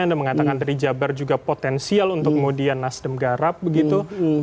anda mengatakan tadi jabar juga potensial untuk kemudian nasdem garap begitu